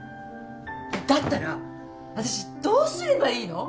だったら私どうすればいいの？